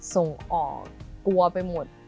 ส่งออกกลัวไปหมด